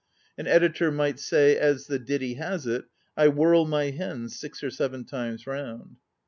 An editor might say, as the ditty has it, " I whirl my hens six or seven times round."